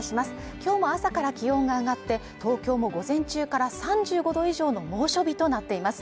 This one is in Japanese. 今日も朝から気温が上がって、東京も午前中から３５度以上の猛暑日となっています。